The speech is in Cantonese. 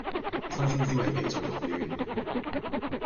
新鮮燒起皮脆肉嫩